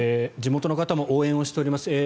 地元の方も応援をしております。